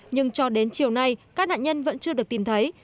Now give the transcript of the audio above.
nhưng cho đến chiều nay các nạn nhân vẫn chưa được tìm thấy